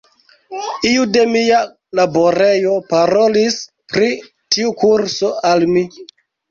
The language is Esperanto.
Iu de mia laborejo parolis pri tiu kurso al mi.